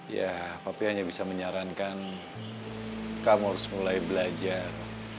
ya kopi hanya bisa menyarankan kamu harus mulai belajar